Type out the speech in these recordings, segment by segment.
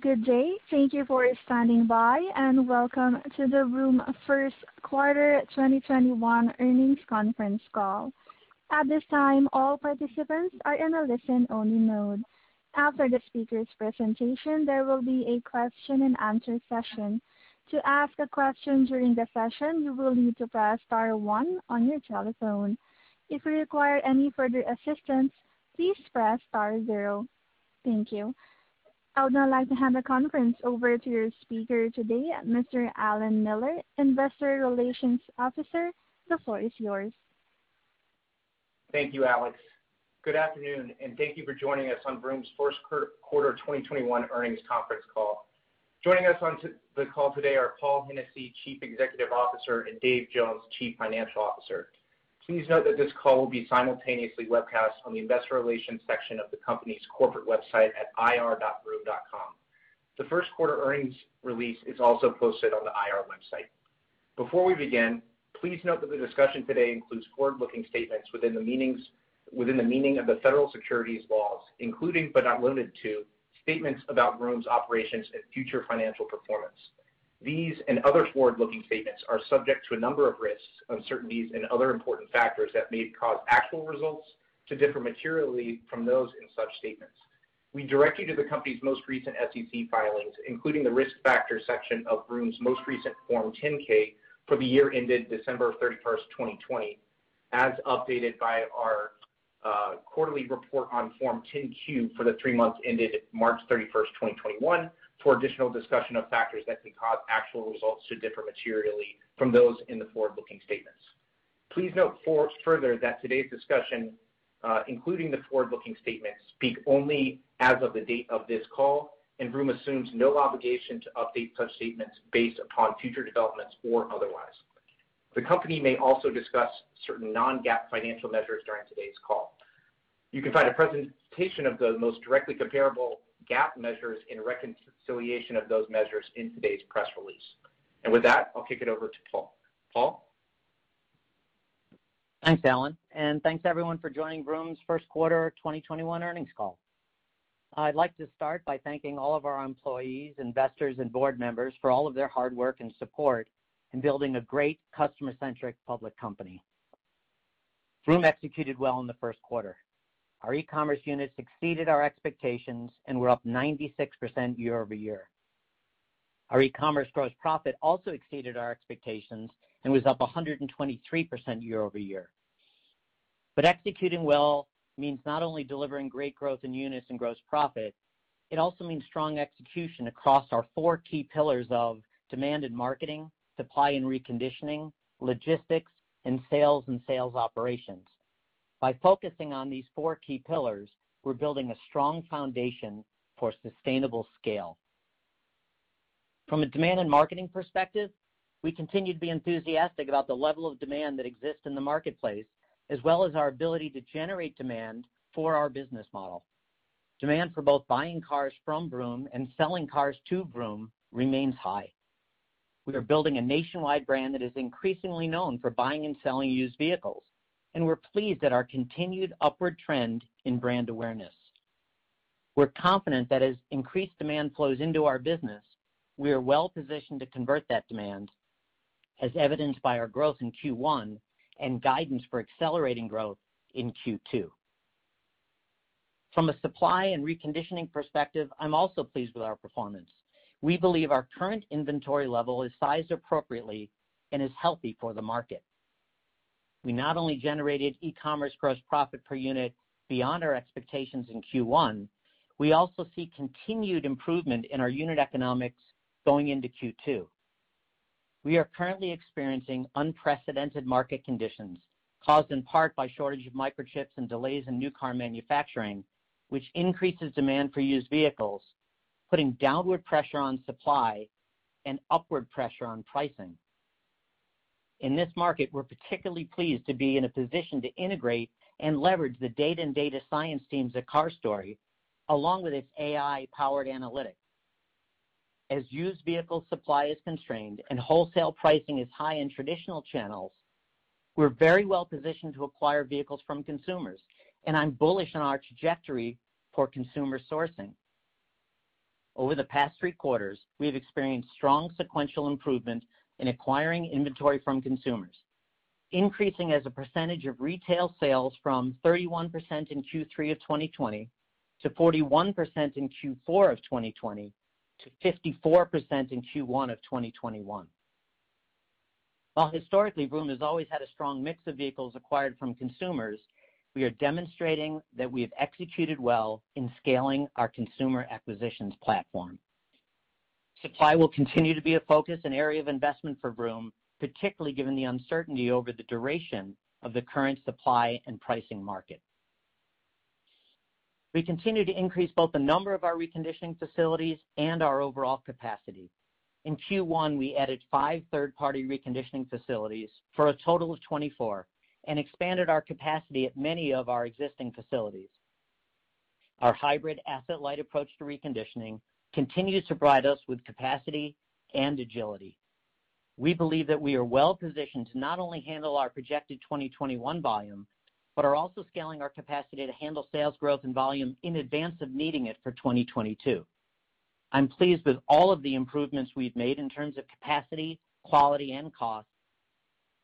Good day. Thank you for standing by, and welcome to the Vroom First Quarter 2021 Earnings Conference Call. At this time, all participants are in a listen-only mode. After the speaker's presentation, there will be a question and answer session. Thank you. I would now like to hand the conference over to your speaker today, Mr. Allen Miller, Investor Relations Officer. The floor is yours. Thank you, Alex. Good afternoon, and thank you for joining us on Vroom's first quarter 2021 earnings conference call. Joining us on the call today are Paul Hennessy, Chief Executive Officer, and Dave Jones, Chief Financial Officer. Please note that this call will be simultaneously webcast on the investor relations section of the company's corporate website at ir.vroom.com. The first quarter earnings release is also posted on the IR website. Before we begin, please note that the discussion today includes forward-looking statements within the meaning of the federal securities laws, including, but not limited to, statements about Vroom's operations and future financial performance. These and other forward-looking statements are subject to a number of risks, uncertainties, and other important factors that may cause actual results to differ materially from those in such statements. We direct you to the company's most recent SEC filings, including the risk factor section of Vroom's most recent Form 10-K for the year ended December 31st, 2020, as updated by our quarterly report on Form 10-Q for the three months ended March 31st, 2021, for additional discussion of factors that can cause actual results to differ materially from those in the forward-looking statements. Please note further that today's discussion, including the forward-looking statements, speak only as of the date of this call, and Vroom assumes no obligation to update such statements based upon future developments or otherwise. The company may also discuss certain non-GAAP financial measures during today's call. You can find a presentation of the most directly comparable GAAP measures and reconciliation of those measures in today's press release. With that, I'll kick it over to Paul. Paul? Thanks, Allen, and thanks everyone for joining Vroom's first quarter 2021 earnings call. I'd like to start by thanking all of our employees, investors, and board members for all of their hard work and support in building a great customer-centric public company. Vroom executed well in the first quarter. Our e-commerce units exceeded our expectations, and we're up 96% year-over-year. Our e-commerce gross profit also exceeded our expectations and was up 123% year-over-year. Executing well means not only delivering great growth in units and gross profit, it also means strong execution across our four key pillars of demand and marketing, supply and reconditioning, logistics, and sales and sales operations. By focusing on these four key pillars, we're building a strong foundation for sustainable scale. From a demand and marketing perspective, we continue to be enthusiastic about the level of demand that exists in the marketplace, as well as our ability to generate demand for our business model. Demand for both buying cars from Vroom and selling cars to Vroom remains high. We are building a nationwide brand that is increasingly known for buying and selling used vehicles, and we're pleased at our continued upward trend in brand awareness. We're confident that as increased demand flows into our business, we are well-positioned to convert that demand, as evidenced by our growth in Q1 and guidance for accelerating growth in Q2. From a supply and reconditioning perspective, I'm also pleased with our performance. We believe our current inventory level is sized appropriately and is healthy for the market. We not only generated e-commerce gross profit per unit beyond our expectations in Q1, we also see continued improvement in our unit economics going into Q2. We are currently experiencing unprecedented market conditions caused in part by shortage of microchips and delays in new car manufacturing, which increases demand for used vehicles, putting downward pressure on supply and upward pressure on pricing. In this market, we're particularly pleased to be in a position to integrate and leverage the data and data science teams at CarStory, along with its AI-powered analytics. As used vehicle supply is constrained and wholesale pricing is high in traditional channels, we're very well positioned to acquire vehicles from consumers, and I'm bullish on our trajectory for consumer sourcing. Over the past three quarters, we have experienced strong sequential improvement in acquiring inventory from consumers, increasing as a percentage of retail sales from 31% in Q3 of 2020 to 41% in Q4 of 2020 to 54% in Q1 of 2021. While historically Vroom has always had a strong mix of vehicles acquired from consumers, we are demonstrating that we have executed well in scaling our consumer acquisitions platform. Supply will continue to be a focus and area of investment for Vroom, particularly given the uncertainty over the duration of the current supply and pricing market. We continue to increase both the number of our reconditioning facilities and our overall capacity. In Q1, we added five third-party reconditioning facilities for a total of 24 and expanded our capacity at many of our existing facilities. Our hybrid asset-light approach to reconditioning continues to provide us with capacity and agility. We believe that we are well positioned to not only handle our projected 2021 volume, but are also scaling our capacity to handle sales growth and volume in advance of needing it for 2022. I'm pleased with all of the improvements we've made in terms of capacity, quality, and cost,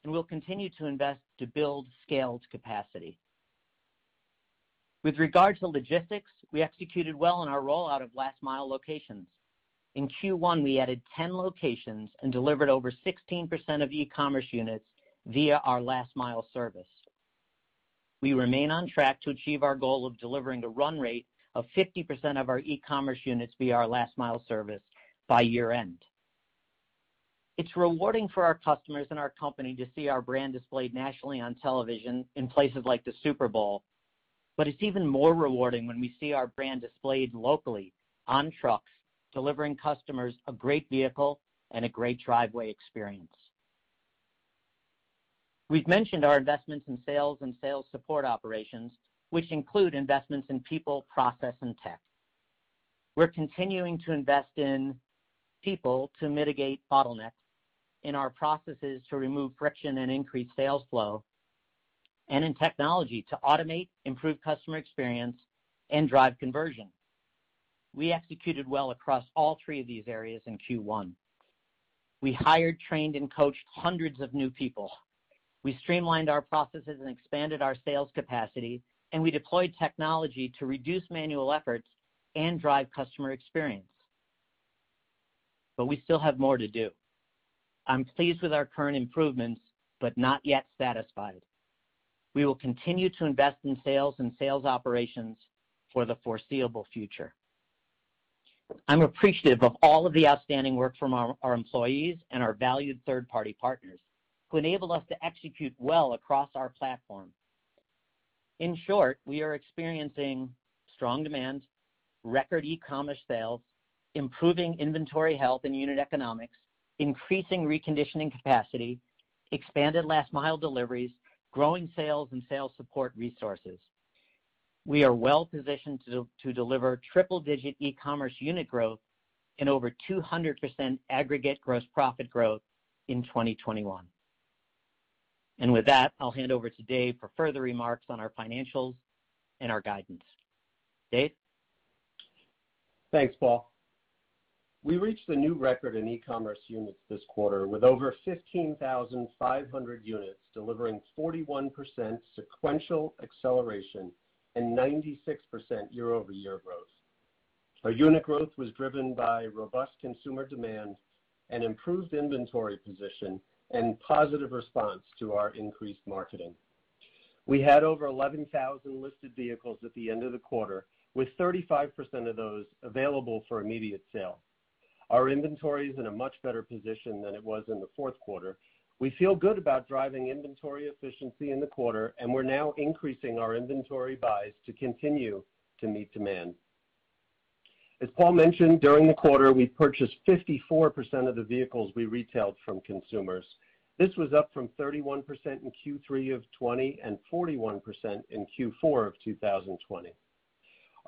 and we'll continue to invest to build scaled capacity. With regard to logistics, we executed well in our rollout of last mile locations. In Q1, we added 10 locations and delivered over 16% of e-commerce units via our last mile service. We remain on track to achieve our goal of delivering a run rate of 50% of our e-commerce units via our last mile service by year-end. It's rewarding for our customers and our company to see our brand displayed nationally on television in places like the Super Bowl, but it's even more rewarding when we see our brand displayed locally on trucks, delivering customers a great vehicle and a great driveway experience. We've mentioned our investments in sales and sales support operations, which include investments in people, process, and tech. We're continuing to invest in people to mitigate bottlenecks, in our processes to remove friction and increase sales flow, and in technology to automate, improve customer experience, and drive conversion. We executed well across all three of these areas in Q1. We hired, trained, and coached hundreds of new people. We streamlined our processes and expanded our sales capacity, and we deployed technology to reduce manual efforts and drive customer experience. We still have more to do. I'm pleased with our current improvements, but not yet satisfied. We will continue to invest in sales and sales operations for the foreseeable future. I'm appreciative of all of the outstanding work from our employees and our valued third-party partners who enable us to execute well across our platform. In short, we are experiencing strong demand, record e-commerce sales, improving inventory health and unit economics, increasing reconditioning capacity, expanded last mile deliveries, growing sales, and sales support resources. We are well positioned to deliver triple-digit e-commerce unit growth and over 200% aggregate gross profit growth in 2021. With that, I'll hand over to Dave for further remarks on our financials and our guidance. Dave? Thanks, Paul. We reached a new record in e-commerce units this quarter, with over 15,500 units, delivering 41% sequential acceleration and 96% year-over-year growth. Our unit growth was driven by robust consumer demand and improved inventory position and positive response to our increased marketing. We had over 11,000 listed vehicles at the end of the quarter, with 35% of those available for immediate sale. Our inventory is in a much better position than it was in the fourth quarter. We feel good about driving inventory efficiency in the quarter, and we're now increasing our inventory buys to continue to meet demand. As Paul mentioned, during the quarter, we purchased 54% of the vehicles we retailed from consumers. This was up from 31% in Q3 of 2020 and 41% in Q4 of 2020.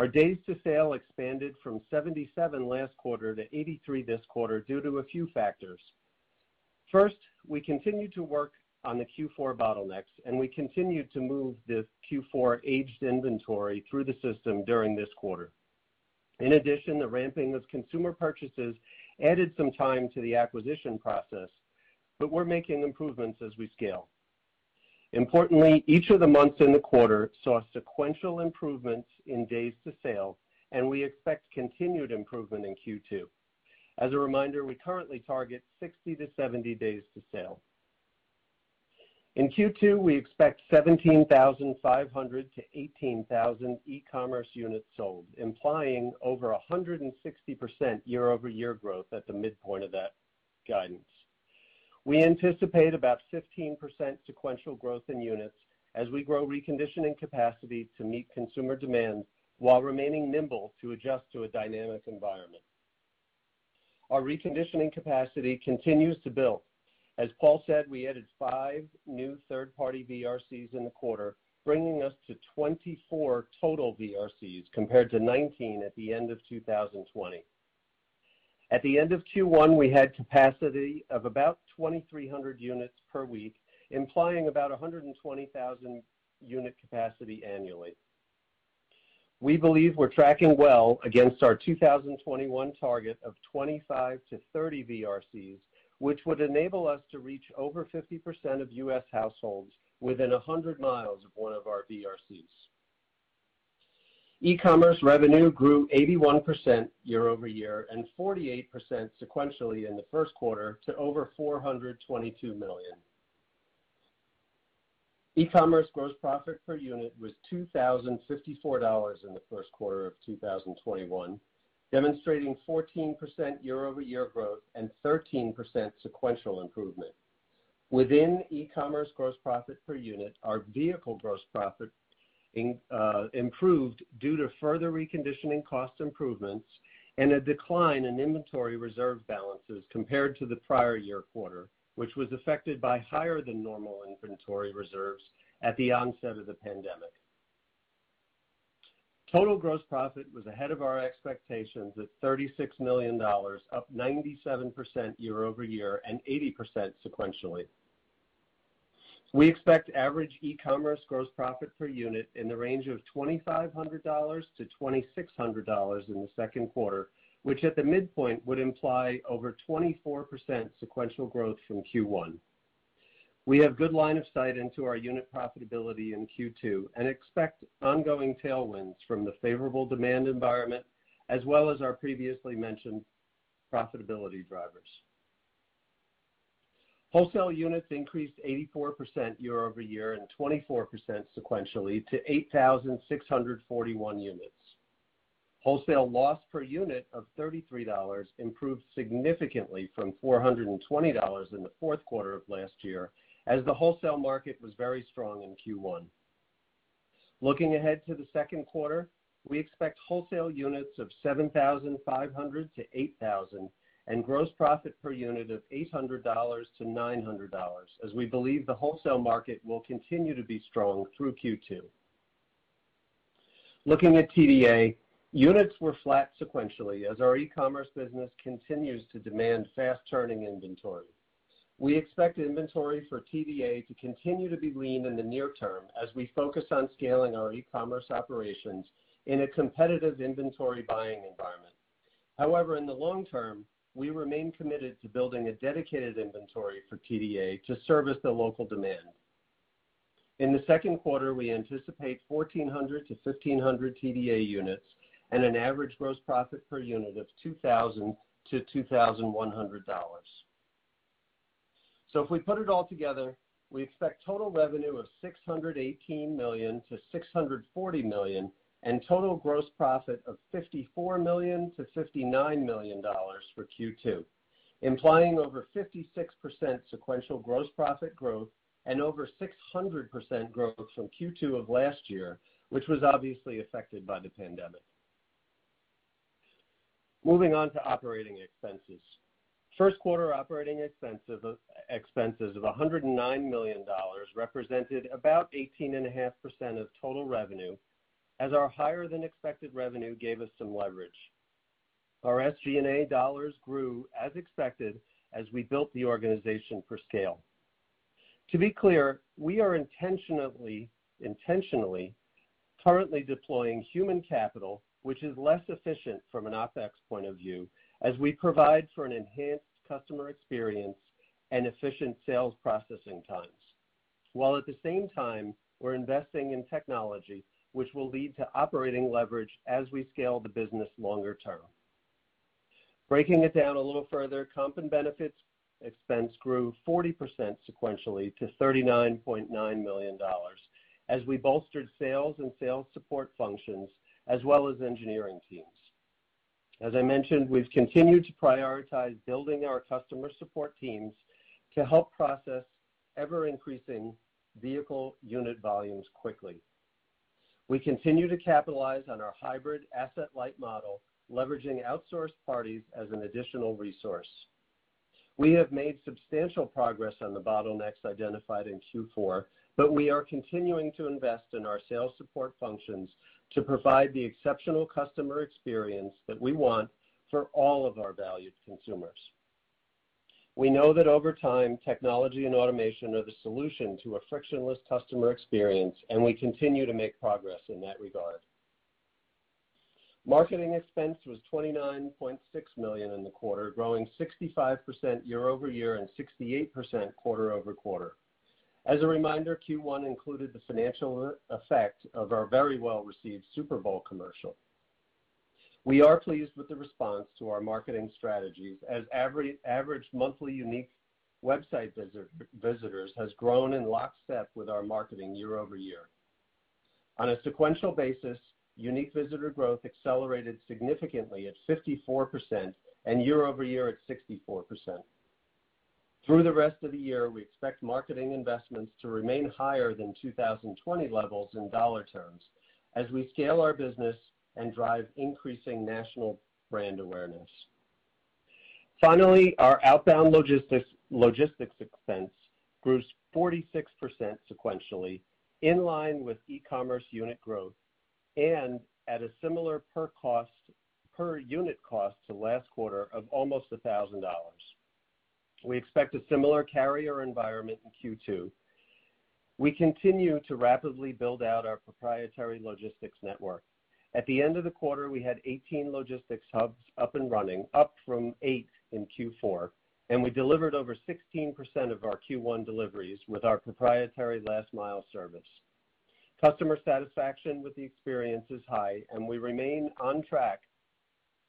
Our days to sale expanded from 77 last quarter to 83 this quarter due to a few factors. We continued to work on the Q4 bottlenecks, and we continued to move the Q4 aged inventory through the system during this quarter. The ramping of consumer purchases added some time to the acquisition process, but we're making improvements as we scale. Each of the months in the quarter saw sequential improvements in days to sale, and we expect continued improvement in Q2. We currently target 60 to 70 days to sale. We expect 17,500 to 18,000 e-commerce units sold, implying over 160% year-over-year growth at the midpoint of that guidance. We anticipate about 15% sequential growth in units as we grow reconditioning capacity to meet consumer demand while remaining nimble to adjust to a dynamic environment. Our reconditioning capacity continues to build. As Paul said, we added 5 new third-party VRCs in the quarter, bringing us to 24 total VRCs compared to 19 at the end of 2020. At the end of Q1, we had capacity of about 2,300 units per week, implying about 120,000 unit capacity annually. We believe we're tracking well against our 2021 target of 25-30 VRCs, which would enable us to reach over 50% of U.S. households within 100 miles of one of our VRCs. e-commerce revenue grew 81% year-over-year and 48% sequentially in the first quarter to over $422 million. e-commerce gross profit per unit was $2,054 in the first quarter of 2021, demonstrating 14% year-over-year growth and 13% sequential improvement. Within e-commerce gross profit per unit, our vehicle gross profit improved due to further reconditioning cost improvements and a decline in inventory reserve balances compared to the prior year quarter, which was affected by higher than normal inventory reserves at the onset of the pandemic. Total gross profit was ahead of our expectations at $36 million, up 97% year-over-year and 80% sequentially. We expect average e-commerce gross profit per unit in the range of $2,500-$2,600 in the second quarter, which at the midpoint would imply over 24% sequential growth from Q1. We have good line of sight into our unit profitability in Q2 and expect ongoing tailwinds from the favorable demand environment as well as our previously mentioned profitability drivers. Wholesale units increased 84% year-over-year and 24% sequentially to 8,641 units. Wholesale loss per unit of $33 improved significantly from $420 in the fourth quarter of last year as the wholesale market was very strong in Q1. Looking ahead to the second quarter, we expect wholesale units of 7,500-8,000 and gross profit per unit of $800-$900 as we believe the wholesale market will continue to be strong through Q2. Looking at TDA, units were flat sequentially as our e-commerce business continues to demand fast-turning inventory. We expect inventory for TDA to continue to be lean in the near term as we focus on scaling our e-commerce operations in a competitive inventory buying environment. However, in the long term, we remain committed to building a dedicated inventory for TDA to service the local demand. In the second quarter, we anticipate 1,400-1,500 TDA units and an average gross profit per unit of $2,000-$2,100. If we put it all together, we expect total revenue of $618 million-$640 million and total gross profit of $54 million-$59 million for Q2, implying over 56% sequential gross profit growth and over 600% growth from Q2 of last year, which was obviously affected by the pandemic. Moving on to operating expenses. First quarter operating expenses of $109 million represented about 18.5% of total revenue, as our higher than expected revenue gave us some leverage. Our SG&A dollars grew as expected as we built the organization for scale. To be clear, we are intentionally currently deploying human capital, which is less efficient from an OpEx point of view as we provide for an enhanced customer experience and efficient sales processing times, while at the same time we're investing in technology which will lead to operating leverage as we scale the business longer term. Breaking it down a little further, comp and benefits expense grew 40% sequentially to $39.9 million as we bolstered sales and sales support functions as well as engineering teams. As I mentioned, we've continued to prioritize building our customer support teams to help process ever-increasing vehicle unit volumes quickly. We continue to capitalize on our hybrid asset-light model, leveraging outsourced parties as an additional resource. We have made substantial progress on the bottlenecks identified in Q4, but we are continuing to invest in our sales support functions to provide the exceptional customer experience that we want for all of our valued consumers. We know that over time, technology and automation are the solution to a frictionless customer experience, and we continue to make progress in that regard. Marketing expense was $29.6 million in the quarter, growing 65% year-over-year and 68% quarter over quarter. As a reminder, Q1 included the financial effect of our very well-received Super Bowl commercial. We are pleased with the response to our marketing strategies as average monthly unique website visitors has grown in lockstep with our marketing year-over-year. On a sequential basis, unique visitor growth accelerated significantly at 54% and year-over-year at 64%. Through the rest of the year, we expect marketing investments to remain higher than 2020 levels in dollar terms as we scale our business and drive increasing national brand awareness. Finally, our outbound logistics expense grew 46% sequentially, in line with e-commerce unit growth and at a similar per unit cost to last quarter of almost $1,000. We expect a similar carrier environment in Q2. We continue to rapidly build out our proprietary logistics network. At the end of the quarter, we had 18 logistics hubs up and running, up from eight in Q4, and we delivered over 16% of our Q1 deliveries with our proprietary last mile service. Customer satisfaction with the experience is high, and we remain on track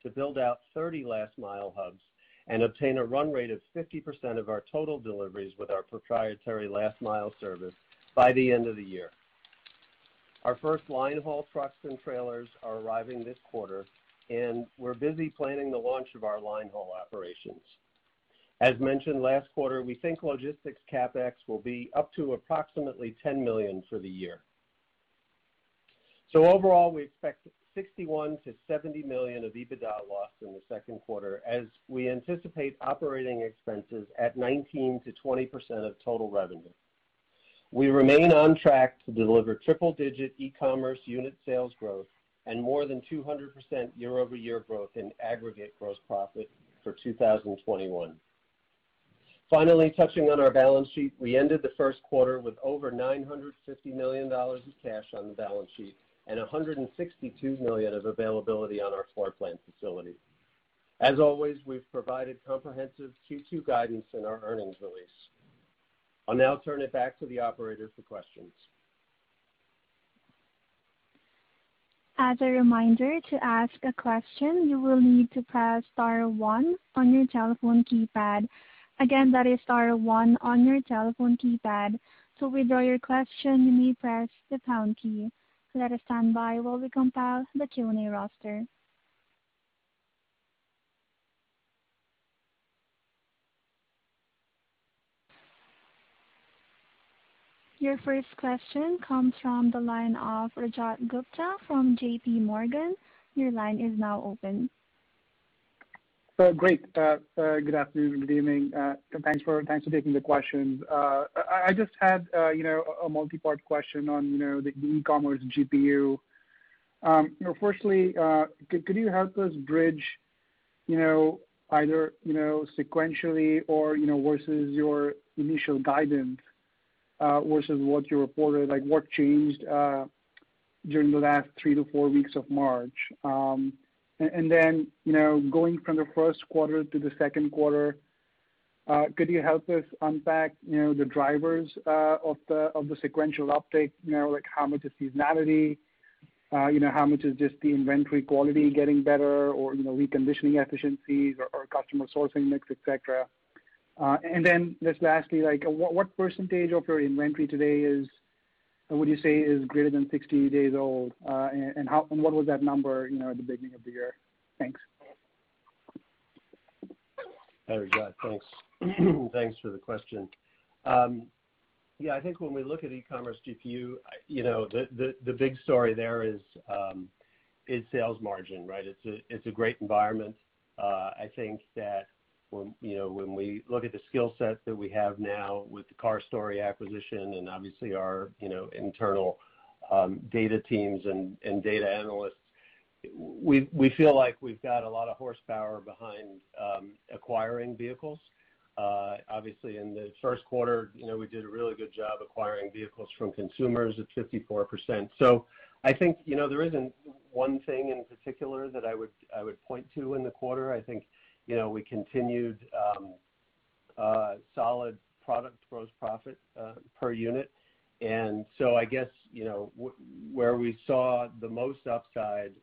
to build out 30 last mile hubs and obtain a run rate of 50% of our total deliveries with our proprietary last mile service by the end of the year. Our first line haul trucks and trailers are arriving this quarter, and we're busy planning the launch of our line haul operations. As mentioned last quarter, we think logistics CapEx will be up to approximately $10 million for the year. Overall, we expect $61 million-$70 million of EBITDA loss in the second quarter as we anticipate operating expenses at 19%-20% of total revenue. We remain on track to deliver triple-digit e-commerce unit sales growth and more than 200% year-over-year growth in aggregate gross profit for 2021. Finally, touching on our balance sheet, we ended the first quarter with over $950 million of cash on the balance sheet and $162 million of availability on our floor plan facility. As always, we've provided comprehensive Q2 guidance in our earnings release. I'll now turn it back to the operator for questions. As a reminder, to ask a question, you will need to press star one on your telephone keypad. Again, that is star one on your telephone keypad. To withdraw your question, you may press the pound key. Let us stand by while we compile the Q&A roster. Your first question comes from the line of Rajat Gupta from JP Morgan. Your line is now open. Great. Good afternoon. Good evening. Thanks for taking the questions. I just had a multi-part question on the e-commerce GPU. Could you help us bridge either sequentially or versus your initial guidance versus what you reported, like what changed during the last three to four weeks of March? Going from the first quarter to the second quarter, could you help us unpack the drivers of the sequential update? Like how much is seasonality, how much is just the inventory quality getting better, or reconditioning efficiencies or customer sourcing mix, et cetera. Just lastly, what percentage of your inventory today would you say is greater than 60 days old? What was that number at the beginning of the year? Thanks. Hi, Rajat. Thanks. Thanks for the question. Yeah, I think when we look at e-commerce GPU, the big story there is sales margin, right? It's a great environment. I think that when we look at the skill sets that we have now with the CarStory acquisition, and obviously our internal data teams and data analysts, we feel like we've got a lot of horsepower behind acquiring vehicles. Obviously in the first quarter, we did a really good job acquiring vehicles from consumers at 54%. I think there isn't one thing in particular that I would point to in the quarter. I think we continued solid product gross profit per unit. I guess where we saw the most upside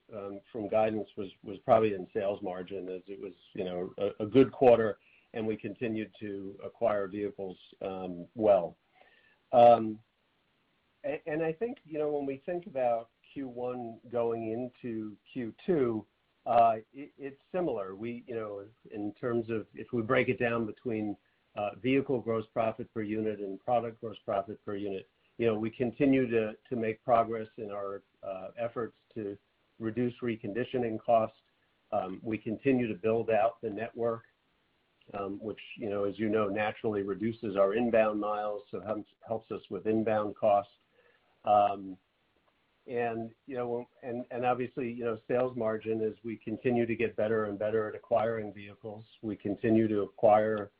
from guidance was probably in sales margin as it was a good quarter and we continued to acquire vehicles well. I think when we think about Q1 going into Q2, it's similar in terms of if we break it down between vehicle gross profit per unit and product gross profit per unit. We continue to make progress in our efforts to reduce reconditioning costs. We continue to build out the network, which as you know, naturally reduces our inbound miles, so helps us with inbound costs. Obviously sales margin as we continue to get better and better at acquiring vehicles. We continue to acquire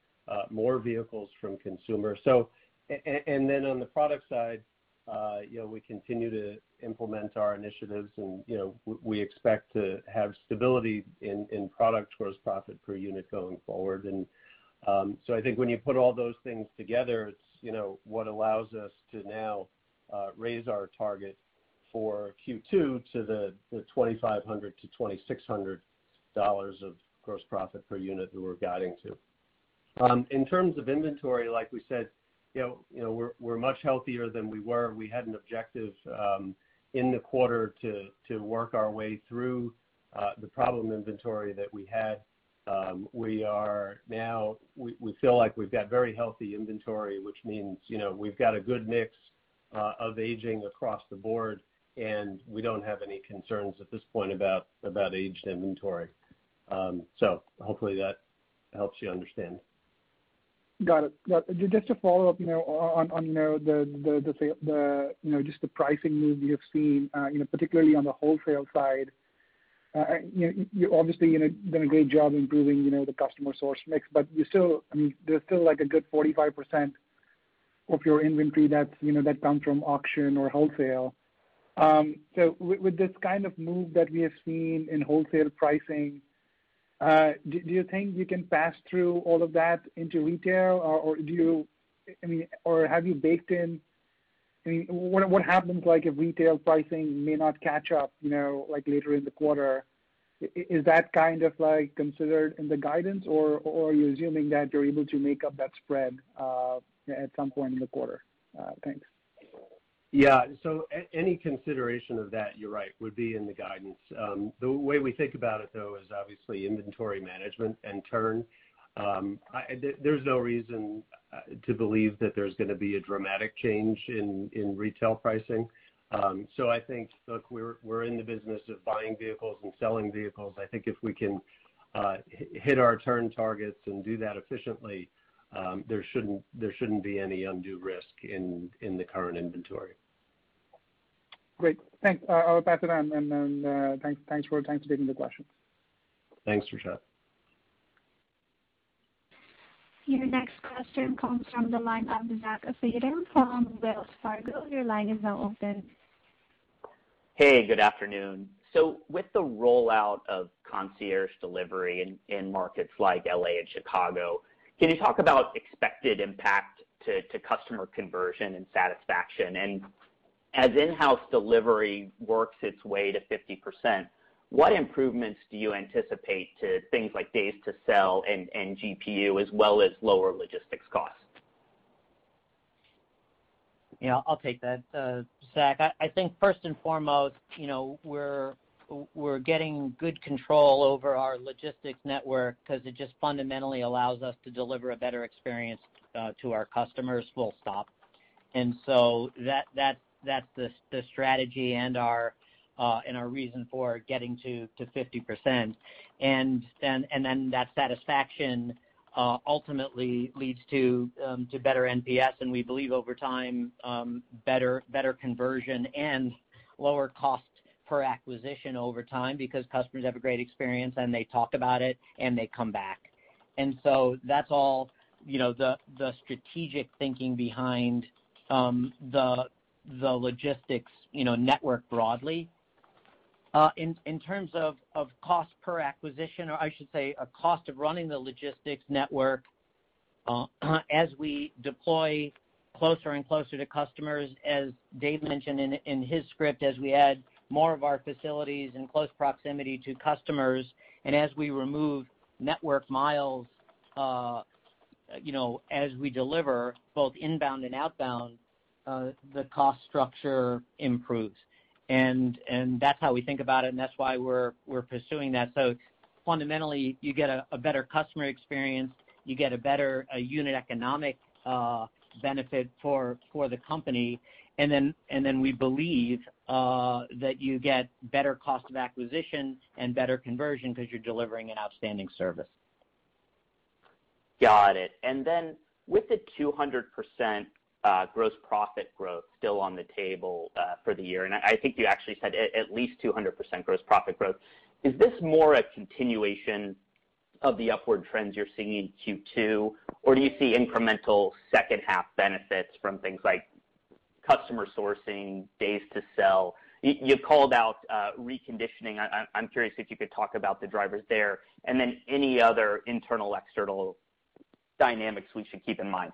more vehicles from consumers. Then on the product side we continue to implement our initiatives, and we expect to have stability in product gross profit per unit going forward. I think when you put all those things together, it's what allows us to now raise our target for Q2 to the $2,500-$2,600 of gross profit per unit that we're guiding to. In terms of inventory like we said, we're much healthier than we were. We had an objective in the quarter to work our way through the problem inventory that we had. We feel like we've got very healthy inventory, which means we've got a good mix of aging across the board, and we don't have any concerns at this point about aged inventory. Hopefully that helps you understand. Got it. Just to follow up on just the pricing move you've seen particularly on the wholesale side. You obviously done a great job improving the customer source mix, but there's still like a good 45% of your inventory that comes from auction or wholesale. With this kind of move that we have seen in wholesale pricing do you think you can pass through all of that into retail, or have you baked in What happens if retail pricing may not catch up later in the quarter? Is that kind of considered in the guidance, or are you assuming that you're able to make up that spread at some point in the quarter? Thanks. Yeah. Any consideration of that, you're right, would be in the guidance. The way we think about it, though, is obviously inventory management and turn. There's no reason to believe that there's going to be a dramatic change in retail pricing. I think, look, we're in the business of buying vehicles and selling vehicles. I think if we can hit our turn targets and do that efficiently there shouldn't be any undue risk in the current inventory. Great. Thanks. I'll pass it on, and thanks for taking the question. Thanks, Rajat Gupta. Your next question comes from the line of Zach Fadem from Wells Fargo. Your line is now open. Hey, good afternoon. With the rollout of concierge delivery in markets like L.A. and Chicago, can you talk about expected impact to customer conversion and satisfaction? As in-house delivery works its way to 50%, what improvements do you anticipate to things like days to sell and GPU, as well as lower logistics costs? Yeah, I'll take that, Zach. I think first and foremost we're getting good control over our logistics network because it just fundamentally allows us to deliver a better experience to our customers, full stop. That's the strategy and our reason for getting to 50%. That satisfaction ultimately leads to better NPS, and we believe over time better conversion and lower cost per acquisition over time because customers have a great experience, and they talk about it, and they come back. That's all the strategic thinking behind the logistics network broadly. In terms of cost per acquisition, or I should say a cost of running the logistics network as we deploy closer and closer to customers, as Dave mentioned in his script, as we add more of our facilities in close proximity to customers, and as we remove network miles as we deliver both inbound and outbound, the cost structure improves. That's how we think about it, and that's why we're pursuing that. Fundamentally, you get a better customer experience, you get a better unit economic benefit for the company. We believe that you get better cost of acquisition and better conversion because you're delivering an outstanding service. Got it. Then with the 200% gross profit growth still on the table for the year, and I think you actually said at least 200% gross profit growth, is this more a continuation of the upward trends you're seeing in Q2, or do you see incremental second half benefits from things like customer sourcing, days to sell? You called out reconditioning. I'm curious if you could talk about the drivers there, and then any other internal external dynamics we should keep in mind.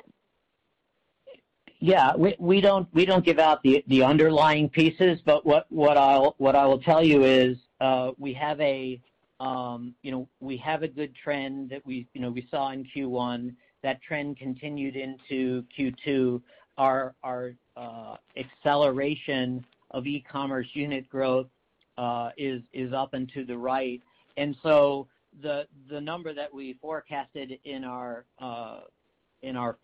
We don't give out the underlying pieces, but what I will tell you is we have a good trend that we saw in Q1. That trend continued into Q2. Our acceleration of e-commerce unit growth is up and to the right. The number that we forecasted in our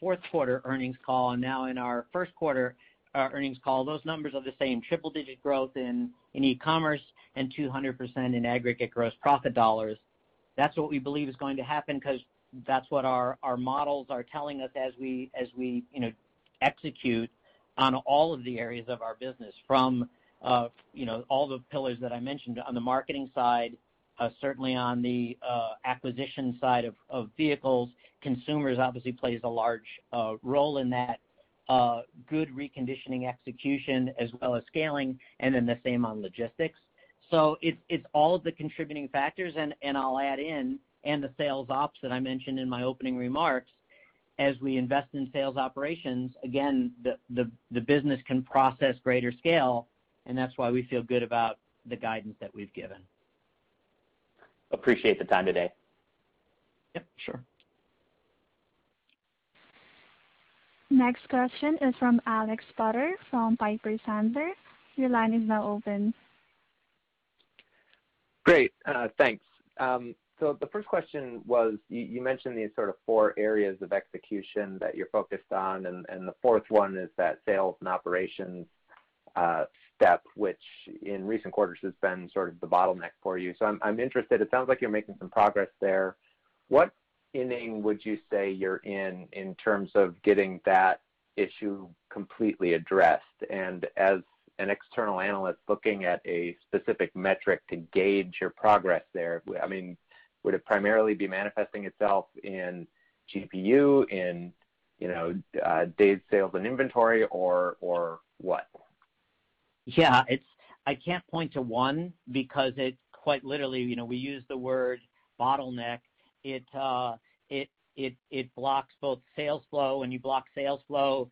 fourth quarter earnings call, and now in our first quarter earnings call, those numbers are the same. Triple digit growth in e-commerce and 200% in aggregate gross profit dollars. That's what we believe is going to happen because that's what our models are telling us as we execute on all of the areas of our business from all the pillars that I mentioned on the marketing side, certainly on the acquisition side of vehicles. Consumers obviously plays a large role in that. Good reconditioning execution as well as scaling, and then the same on logistics. It's all of the contributing factors, and I'll add in, and the sales ops that I mentioned in my opening remarks. As we invest in sales operations, again, the business can process greater scale, and that's why we feel good about the guidance that we've given. Appreciate the time today. Yep, sure. Next question is from Alex Potter from Piper Sandler. Your line is now open. Great, thanks. The first question was, you mentioned these sort of four areas of execution that you're focused on, and the fourth one is that sales and operations step, which in recent quarters has been sort of the bottleneck for you. I'm interested, it sounds like you're making some progress there. What inning would you say you're in terms of getting that issue completely addressed? As an external analyst looking at a specific metric to gauge your progress there, would it primarily be manifesting itself in GPU, in days sales and inventory or what? Yeah. I can't point to one because it quite literally, we use the word bottleneck. It blocks both sales flow. When you block sales flow,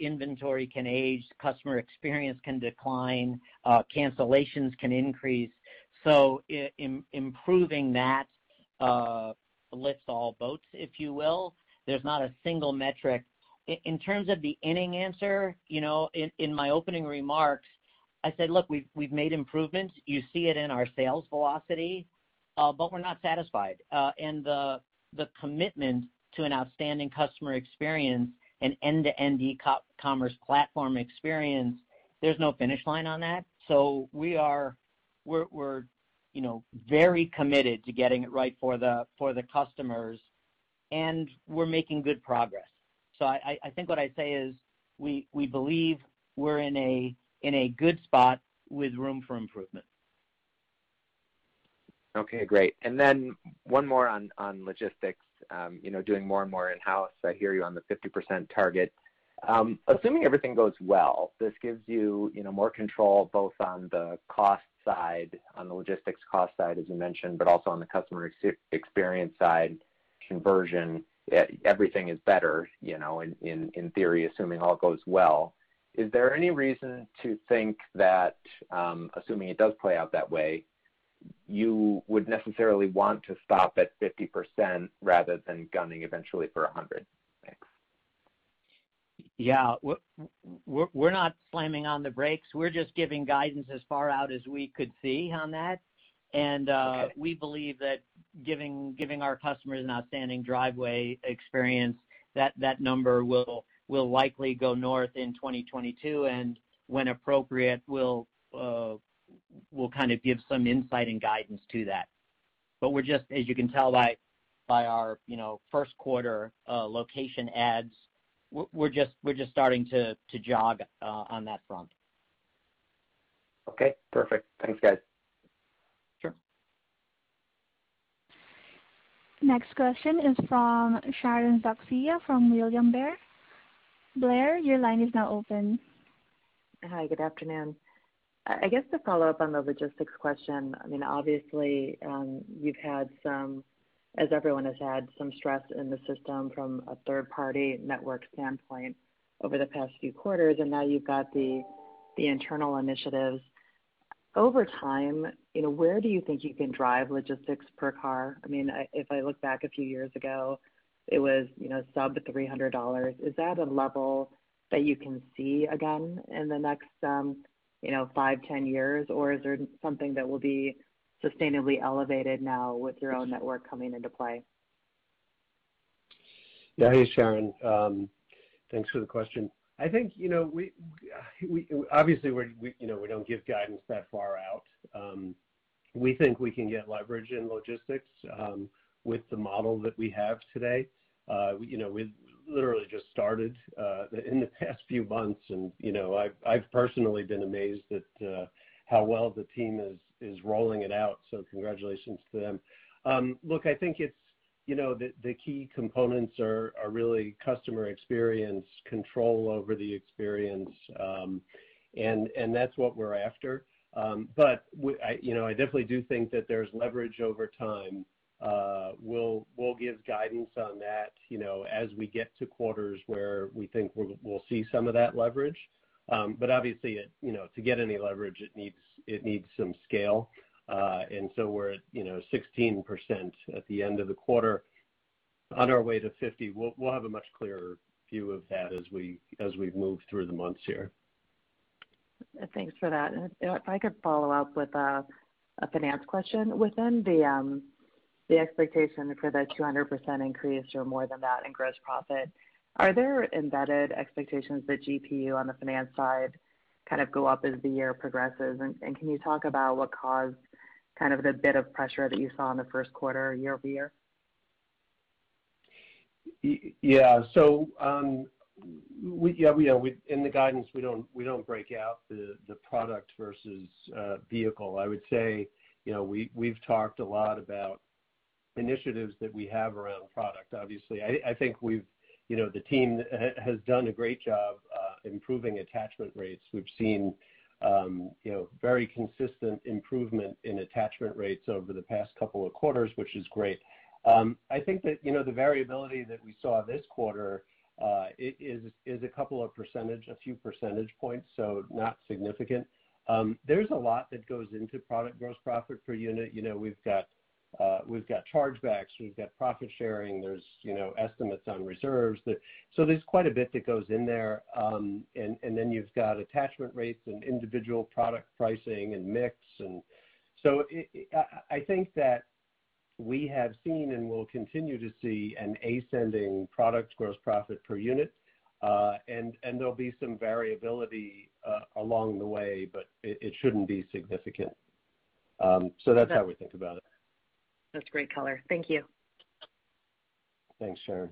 inventory can age, customer experience can decline, cancellations can increase. Improving that lifts all boats, if you will. There's not a single metric. In terms of the inning answer, in my opening remarks, I said, "Look, we've made improvements. You see it in our sales velocity, but we're not satisfied." The commitment to an outstanding customer experience, an end-to-end e-commerce platform experience, there's no finish line on that. We're very committed to getting it right for the customers. We're making good progress. I think what I'd say is, we believe we're in a good spot with room for improvement. Okay, great. Then one more on logistics. Doing more and more in-house, I hear you on the 50% target. Assuming everything goes well, this gives you more control, both on the cost side, on the logistics cost side, as you mentioned, but also on the customer experience side, conversion, everything is better, in theory, assuming all goes well. Is there any reason to think that, assuming it does play out that way, you would necessarily want to stop at 50% rather than gunning eventually for 100? Thanks. Yeah. We're not slamming on the brakes. We're just giving guidance as far out as we could see on that. Okay. We believe that giving our customers an outstanding driveway experience, that number will likely go north in 2022, and when appropriate, we'll kind of give some insight and guidance to that. We're just, as you can tell by our first quarter location adds, we're just starting to jog on that front. Okay, perfect. Thanks, guys. Sure. Next question is from Sharon Zackfia from William Blair. Blair, your line is now open. Hi, good afternoon. I guess to follow up on the logistics question, obviously, you've had some, as everyone has had, some stress in the system from a third-party network standpoint over the past few quarters, and now you've got the internal initiatives. Over time, where do you think you can drive logistics per car? If I look back a few years ago, it was sub $300. Is that a level that you can see again in the next five, 10 years, or is there something that will be sustainably elevated now with your own network coming into play? Yeah. Hey, Sharon. Thanks for the question. I think, obviously, we don't give guidance that far out. We think we can get leverage in logistics with the model that we have today. We literally just started in the past few months, and I've personally been amazed at how well the team is rolling it out, so congratulations to them. Look, I think the key components are really customer experience, control over the experience, and that's what we're after. I definitely do think that there's leverage over time. We'll give guidance on that as we get to quarters where we think we'll see some of that leverage. Obviously, to get any leverage, it needs some scale. We're at 16% at the end of the quarter, on our way to 50. We'll have a much clearer view of that as we move through the months here. Thanks for that. If I could follow up with a finance question. Within the expectation for the 200% increase or more than that in gross profit, are there embedded expectations that GPU on the finance side kind of go up as the year progresses? Can you talk about what caused the bit of pressure that you saw in the first quarter year-over-year? Yeah. In the guidance, we don't break out the product versus vehicle. I would say, we've talked a lot about initiatives that we have around product, obviously. I think the team has done a great job improving attachment rates. We've seen very consistent improvement in attachment rates over the past couple of quarters, which is great. I think that the variability that we saw this quarter is a few percentage points, so not significant. There's a lot that goes into product gross profit per unit. We've got chargebacks, we've got profit sharing, there's estimates on reserves. There's quite a bit that goes in there. Then you've got attachment rates and individual product pricing and mix. I think that we have seen and will continue to see an ascending product gross profit per unit. There'll be some variability along the way, but it shouldn't be significant. That's how we think about it. That's great color. Thank you. Thanks, Sharon.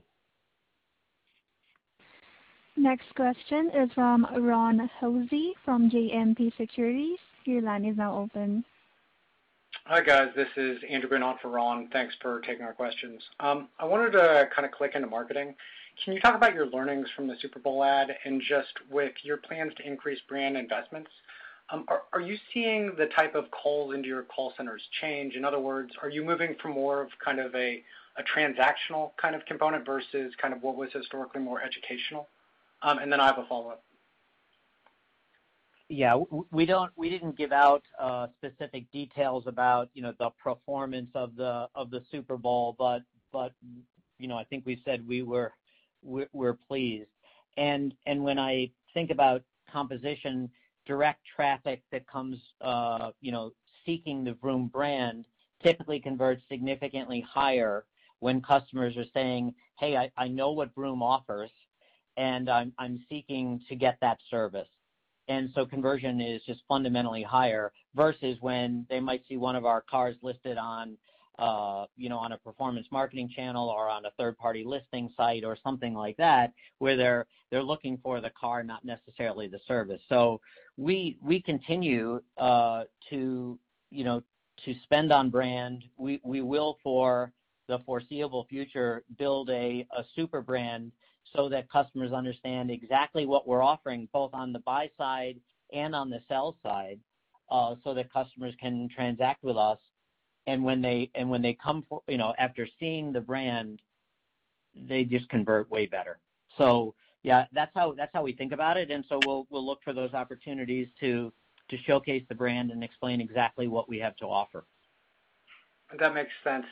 Next question is from Ron Josey from JMP Securities. Hi, guys. This is Andrew Grenot for Ron. Thanks for taking our questions. I wanted to kind of click into marketing. Can you talk about your learnings from the Super Bowl ad and just with your plans to increase brand investments? Are you seeing the type of calls into your call centers change? In other words, are you moving from more of a transactional kind of component versus what was historically more educational? Then I have a follow-up. Yeah. We didn't give out specific details about the performance of the Super Bowl, but I think we said we're pleased. When I think about composition, direct traffic that comes seeking the Vroom brand typically converts significantly higher when customers are saying, "Hey, I know what Vroom offers, and I'm seeking to get that service." Conversion is just fundamentally higher versus when they might see one of our cars listed on a performance marketing channel or on a third-party listing site or something like that, where they're looking for the car, not necessarily the service. We continue to spend on brand. We will, for the foreseeable future, build a super brand so that customers understand exactly what we're offering, both on the buy side and on the sell side, so that customers can transact with us. When they come after seeing the brand, they just convert way better. Yeah, that's how we think about it. We'll look for those opportunities to showcase the brand and explain exactly what we have to offer. That makes sense.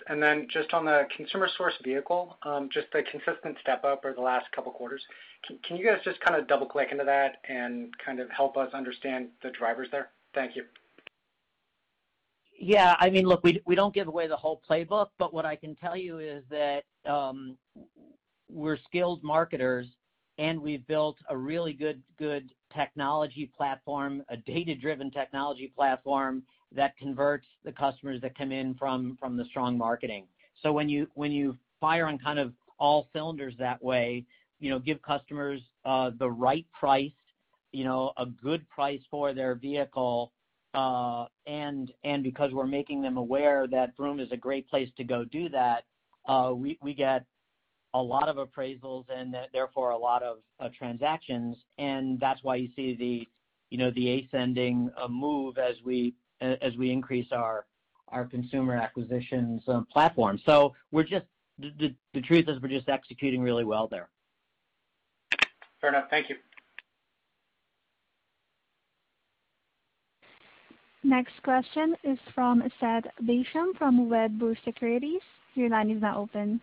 Just on the consumer source vehicle, just a consistent step up over the last couple of quarters. Can you guys just double-click into that and help us understand the drivers there? Thank you. Look, we don't give away the whole playbook, but what I can tell you is that we're skilled marketers, and we've built a really good technology platform, a data-driven technology platform that converts the customers that come in from the strong marketing. When you fire on all cylinders that way, give customers the right price, a good price for their vehicle, and because we're making them aware that Vroom is a great place to go do that, we get a lot of appraisals and therefore a lot of transactions. That's why you see the ascending move as we increase our consumer acquisitions platform. The truth is we're just executing really well there. Fair enough. Thank you. Next question is from Seth Basham from Wedbush Securities. Your line is now open.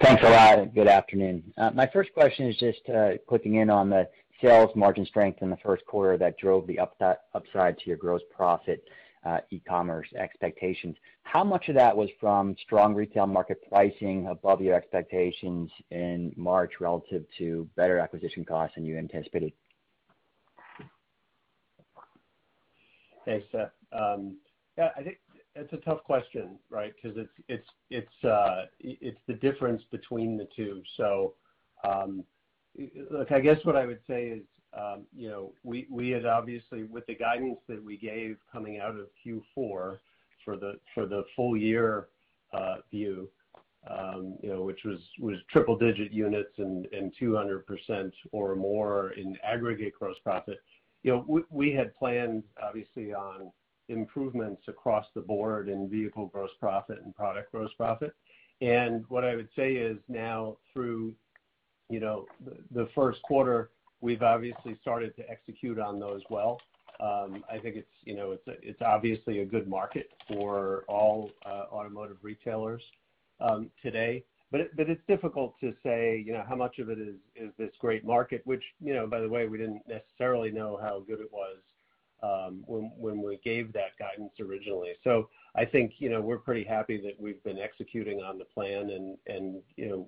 Thanks a lot. Good afternoon. My first question is just clicking in on the sales margin strength in the first quarter that drove the upside to your gross profit e-commerce expectations. How much of that was from strong retail market pricing above your expectations in March relative to better acquisition costs than you anticipated? Thanks, Seth. I think that's a tough question, right? It's the difference between the two. Look, I guess what I would say is we had obviously, with the guidance that we gave coming out of Q4 for the full-year view, which was triple-digit units and 200% or more in aggregate gross profit. We had planned obviously on improvements across the board in vehicle gross profit and product gross profit. What I would say is now through the first quarter, we've obviously started to execute on those well. I think it's obviously a good market for all automotive retailers today. It's difficult to say how much of it is this great market, which by the way, we didn't necessarily know how good it was when we gave that guidance originally. I think we're pretty happy that we've been executing on the plan, and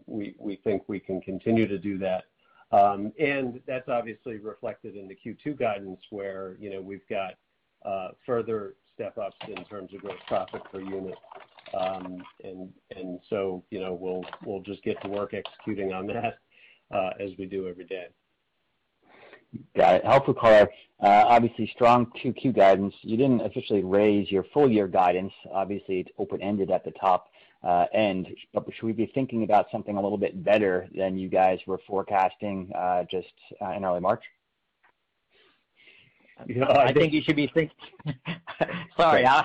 we think we can continue to do that. That's obviously reflected in the Q2 guidance, where we've got further step-ups in terms of gross profit per unit. We'll just get to work executing on that as we do every day. Got it. Helpfully, obviously strong Q2 guidance. You didn't officially raise your full-year guidance. Obviously, it's open-ended at the top end. Should we be thinking about something a little bit better than you guys were forecasting just in early March? Sorry, I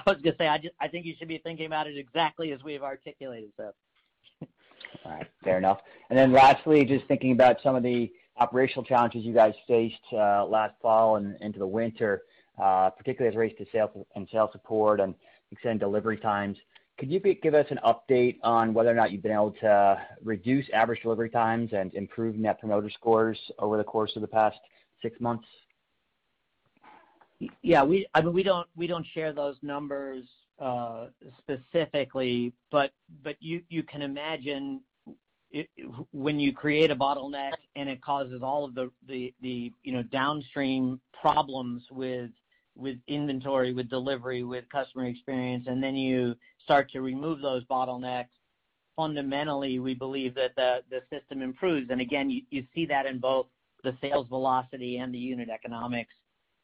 was going to say, I think you should be thinking about it exactly as we've articulated, Seth. All right. Fair enough. Lastly, just thinking about some of the operational challenges you guys faced last fall and into the winter, particularly as it relates to sales and sales support and extended delivery times. Could you give us an update on whether or not you've been able to reduce average delivery times and improve net promoter scores over the course of the past six months? Yeah. We don't share those numbers specifically, but you can imagine when you create a bottleneck, and it causes all of the downstream problems with inventory, with delivery, with customer experience, and then you start to remove those bottlenecks, fundamentally, we believe that the system improves. Again, you see that in both the sales velocity and the unit economics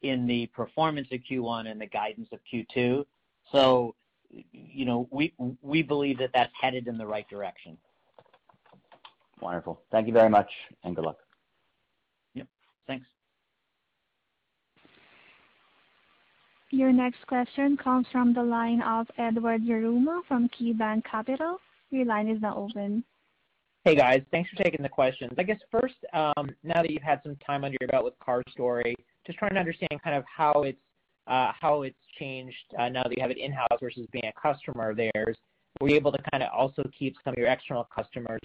in the performance of Q1 and the guidance of Q2. We believe that that's headed in the right direction. Wonderful. Thank you very much, and good luck. Yep. Thanks. Your next question comes from the line of Edward Yruma from KeyBanc Capital. Your line is now open. Hey, guys. Thanks for taking the questions. I guess first, now that you've had some time under your belt with CarStory, just trying to understand how it's changed now that you have it in-house versus being a customer of theirs. Were you able to also keep some of your external customers?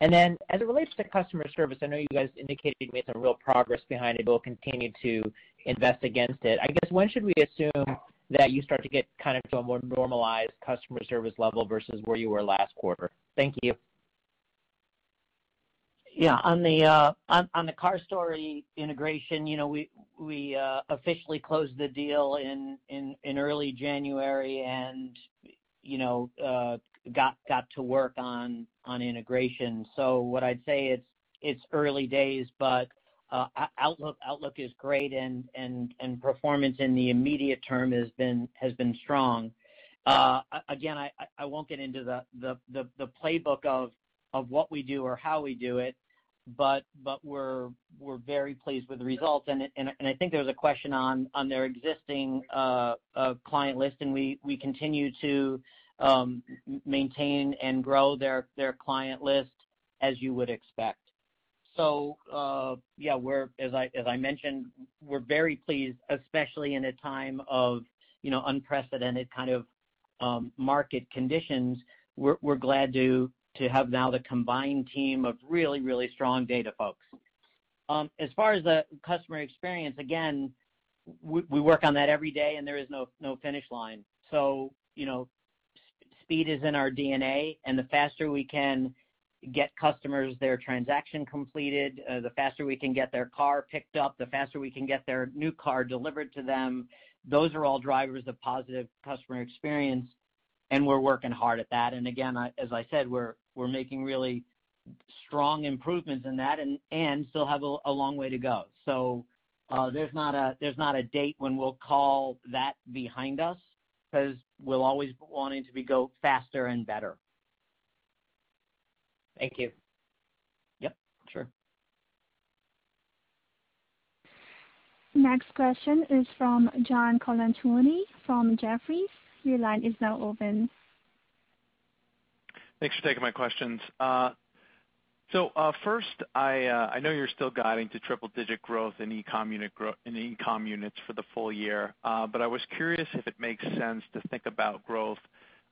As it relates to customer service, I know you guys indicated you've made some real progress behind it, will continue to invest against it. I guess when should we assume that you start to get to a more normalized customer service level versus where you were last quarter? Thank you. Yeah. On the CarStory integration, we officially closed the deal in early January and got to work on integration. What I'd say, it's early days, but outlook is great and performance in the immediate term has been strong. Again, I won't get into the playbook of what we do or how we do it, but we're very pleased with the results. I think there was a question on their existing client list, and we continue to maintain and grow their client list as you would expect. Yeah, as I mentioned, we're very pleased, especially in a time of unprecedented kind of market conditions. We're glad to have now the combined team of really strong data folks. As far as the customer experience, again, we work on that every day, and there is no finish line. Speed is in our DNA, and the faster we can get customers their transaction completed, the faster we can get their car picked up, the faster we can get their new car delivered to them. Those are all drivers of positive customer experience, and we're working hard at that. Again, as I said, we're making really strong improvements in that and still have a long way to go. There's not a date when we'll call that behind us because we'll always be wanting to go faster and better. Thank you. Yep. Sure. Next question is from John Colantuoni from Jefferies. Your line is now open. Thanks for taking my questions. First, I know you're still guiding to triple-digit growth in e-commerce units for the full year. I was curious if it makes sense to think about growth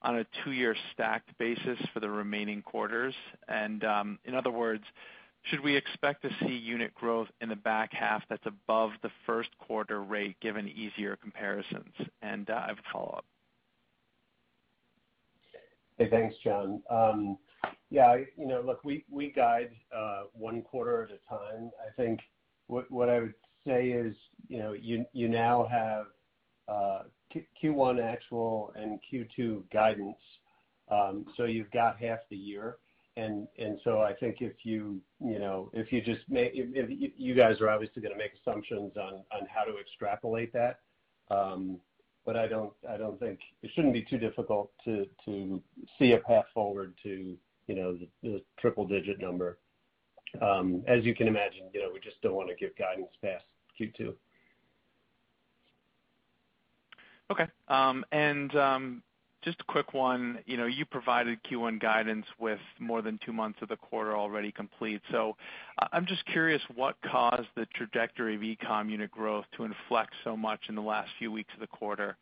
on a two-year stacked basis for the remaining quarters. In other words, should we expect to see unit growth in the back half that's above the first quarter rate, given easier comparisons? I have a follow-up. Hey, thanks, John. Yeah, look, we guide one quarter at a time. I think what I would say is, you now have Q1 actual and Q2 guidance. You've got half the year, and so I think you guys are obviously going to make assumptions on how to extrapolate that. It shouldn't be too difficult to see a path forward to the triple-digit number. As you can imagine, we just don't want to give guidance past Q2. Okay. Just a quick one. You provided Q1 guidance with more than two months of the quarter already complete. I'm just curious what caused the trajectory of e-com unit growth to inflect so much in the last few weeks of the quarter.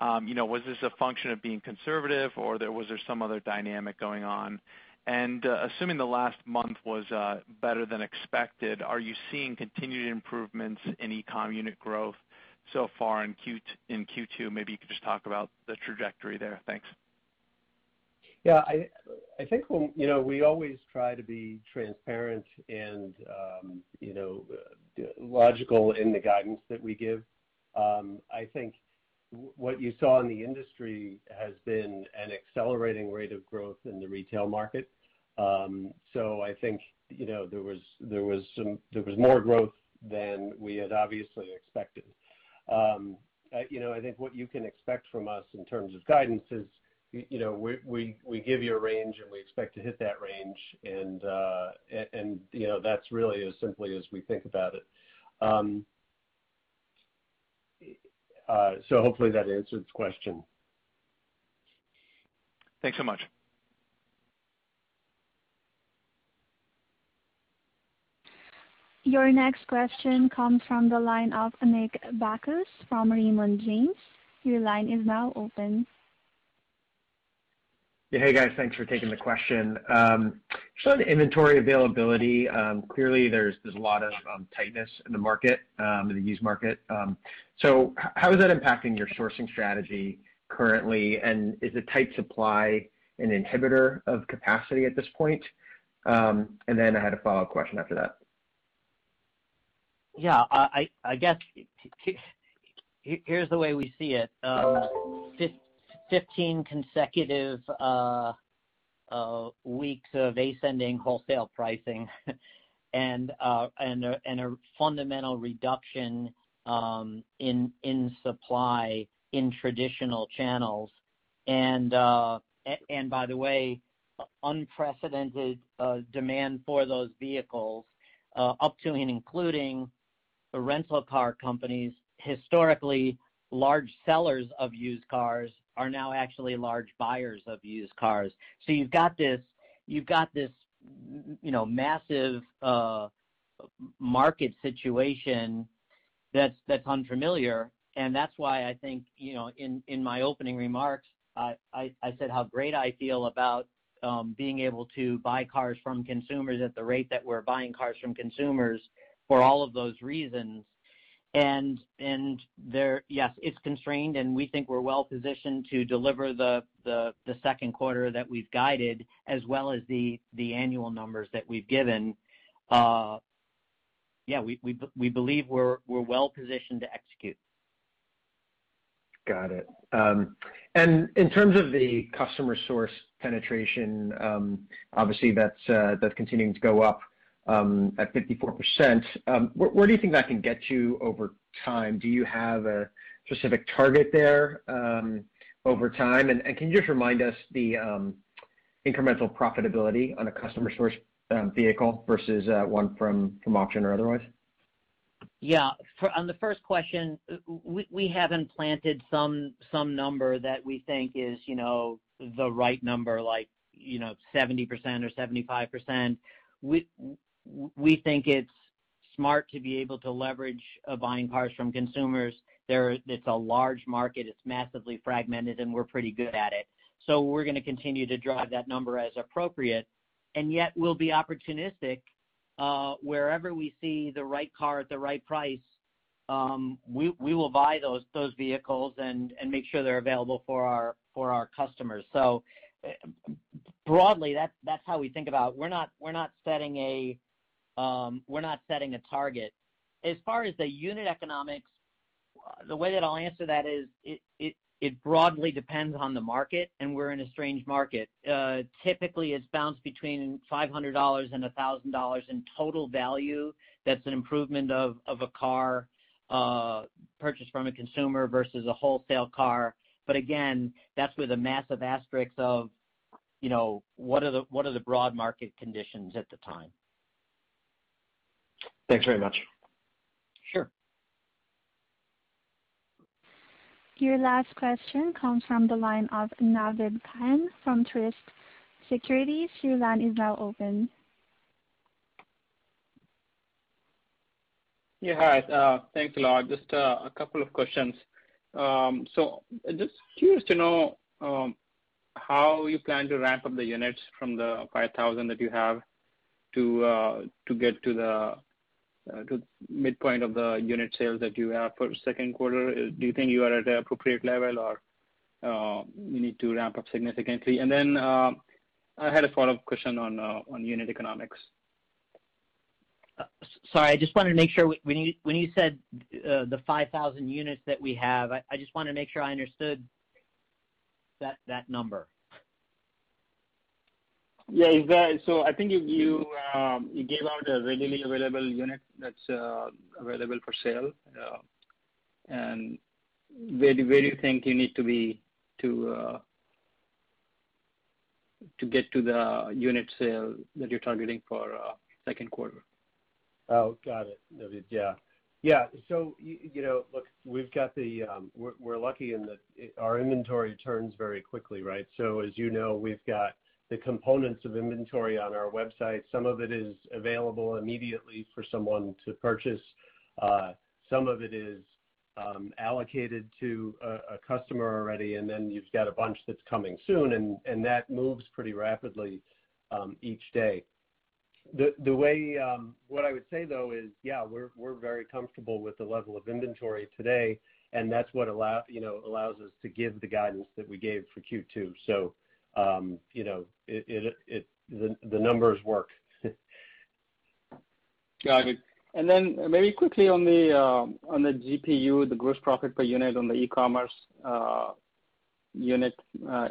Was this a function of being conservative, or was there some other dynamic going on? Assuming the last month was better than expected, are you seeing continued improvements in e-com unit growth so far in Q2? Maybe you could just talk about the trajectory there. Thanks. Yeah. I think we always try to be transparent and logical in the guidance that we give. I think what you saw in the industry has been an accelerating rate of growth in the retail market. I think there was more growth than we had obviously expected. I think what you can expect from us in terms of guidance is we give you a range, and we expect to hit that range. That's really as simply as we think about it. Hopefully that answers the question. Thanks so much. Your next question comes from the line of Nick Bacchus from Raymond James. Your line is now open. Yeah. Hey, guys. Thanks for taking the question. Just on inventory availability, clearly there's a lot of tightness in the market, in the used market. How is that impacting your sourcing strategy currently, and is the tight supply an inhibitor of capacity at this point? I had a follow-up question after that. Yeah. I guess here's the way we see it. 15 consecutive weeks of ascending wholesale pricing and a fundamental reduction in supply in traditional channels. By the way, unprecedented demand for those vehicles up to and including the rental car companies. Historically, large sellers of used cars are now actually large buyers of used cars. You've got this massive market situation that's unfamiliar, and that's why I think in my opening remarks I said how great I feel about being able to buy cars from consumers at the rate that we're buying cars from consumers for all of those reasons. Yes, it's constrained, and we think we're well-positioned to deliver the second quarter that we've guided as well as the annual numbers that we've given. We believe we're well-positioned to execute. Got it. In terms of the customer source penetration, obviously that's continuing to go up at 54%. Where do you think that can get you over time? Do you have a specific target there over time? Can you just remind us the incremental profitability on a customer source vehicle versus one from auction or otherwise? Yeah. On the first question, we haven't planted some number that we think is the right number, like 70% or 75%. We think it's smart to be able to leverage buying cars from consumers. It's a large market, it's massively fragmented, and we're pretty good at it. We're going to continue to drive that number as appropriate, and yet we'll be opportunistic. Wherever we see the right car at the right price, we will buy those vehicles and make sure they're available for our customers. Broadly, that's how we think about it. We're not setting a target. As far as the unit economics, the way that I'll answer that is it broadly depends on the market, and we're in a strange market. Typically, it's bounced between $500 and $1,000 in total value. That's an improvement of a car purchased from a consumer versus a wholesale car. Again, that's with a massive asterisk of what are the broad market conditions at the time. Thanks very much. Sure. Your last question comes from the line of Naved Khan from Truist Securities. Your line is now open. Yeah, hi. Thanks a lot. Just a couple of questions. Just curious to know how you plan to ramp up the units from the 5,000 that you have to get to the midpoint of the unit sales that you have for the second quarter. Do you think you are at the appropriate level, or you need to ramp up significantly? I had a follow-up question on unit economics. Sorry, I just wanted to make sure. When you said the 5,000 units that we have, I just wanted to make sure I understood that number. Yeah, exactly. I think you gave out a readily available unit that's available for sale. Where do you think you need to be to get to the unit sale that you're targeting for second quarter? Oh, got it. Naved. Yeah. Look, we're lucky in that our inventory turns very quickly, right? As you know, we've got the components of inventory on our website. Some of it is available immediately for someone to purchase. Some of it is allocated to a customer already, and then you've got a bunch that's coming soon, and that moves pretty rapidly each day. What I would say, though, is yeah, we're very comfortable with the level of inventory today, and that's what allows us to give the guidance that we gave for Q2. The numbers work. Got it. Very quickly on the GPU, the gross profit per unit on the e-commerce unit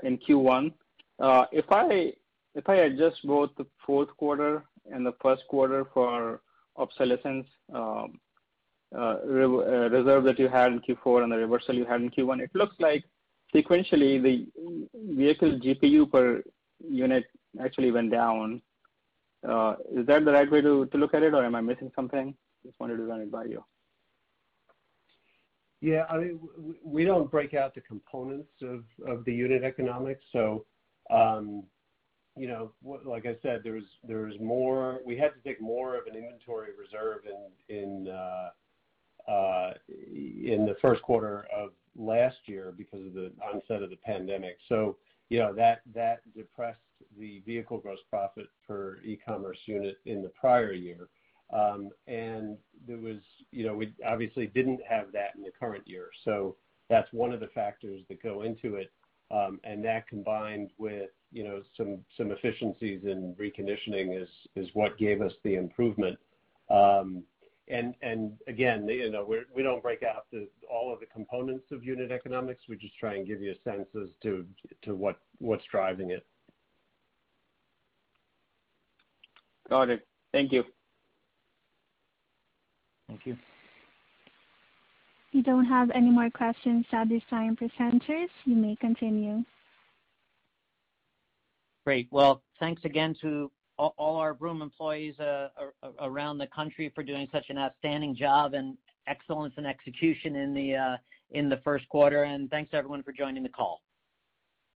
in Q1, if I adjust both the fourth quarter and the first quarter for obsolescence reserve that you had in Q4 and the reversal you had in Q1, it looks like sequentially, the vehicle GPU per unit actually went down. Is that the right way to look at it, or am I missing something? Just wanted to run it by you. Yeah. We don't break out the components of the unit economics. Like I said, we had to take more of an inventory reserve in the first quarter of last year because of the onset of the pandemic. That depressed the vehicle gross profit per e-commerce unit in the prior year. We obviously didn't have that in the current year. That's one of the factors that go into it. That combined with some efficiencies in reconditioning is what gave us the improvement. Again, we don't break out all of the components of unit economics. We just try and give you a sense as to what's driving it. Got it. Thank you. Thank you. You don't have any more questions at this time, presenters. You may continue. Great. Well, thanks again to all our Vroom employees around the country for doing such an outstanding job and excellence in execution in the first quarter. Thanks, everyone, for joining the call.